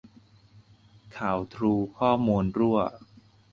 ข่าวทรูข้อมูลรั่ว